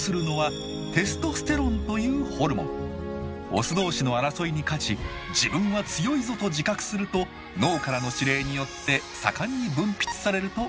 オス同士の争いに勝ち「自分は強いぞ」と自覚すると脳からの指令によって盛んに分泌されると考えられています。